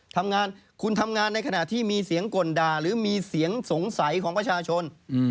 ทำงานคุณทำงานในขณะที่มีเสียงกลด่าหรือมีเสียงสงสัยของประชาชน